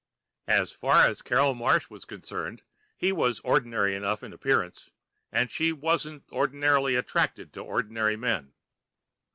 As far as Carol Marsh was concerned, he was ordinary enough in appearance. And she wasn't ordinarily attracted to ordinary men.